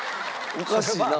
おかしいな。